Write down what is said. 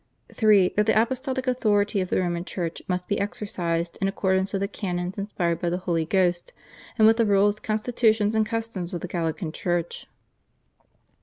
(3) That the apostolic authority of the Roman Church must be exercised in accordance with the canons inspired by the Holy Ghost, and with the rules, constitutions, and customs of the Gallican Church.